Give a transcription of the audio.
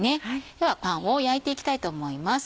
ではパンを焼いていきたいと思います。